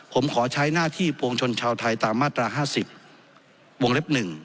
ผมขอใช้หน้าที่ปวงชนชาวไทยตามมาตรา๕๐วงเล็บ๑